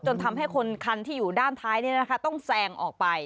จนทำให้คนคันที่อยู่ด้านท้ายต้องแซงออกไป